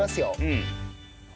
うん。